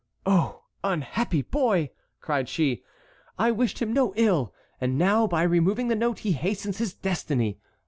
"Oh! unhappy boy!" cried she, "I wished him no ill and now by removing the note he hastens his destiny.